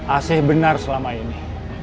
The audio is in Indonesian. asih benar selama ini